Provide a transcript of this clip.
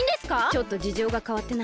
ちょっとじじょうがかわってな。